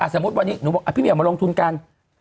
สมมุติวันนี้พี่เหมียวมาลงทุนกัน